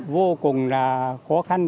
vô cùng là khó khăn